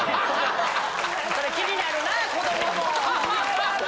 それ気になるなぁ子どもも。